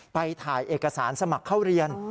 ไปถ่ายเอกสารสมัครเข้าเรียน